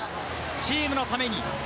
チームのために。